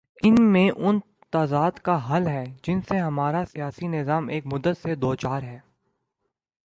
اس میں ان تضادات کا حل ہے، جن سے ہمارا سیاسی نظام ایک مدت سے دوچار ہے۔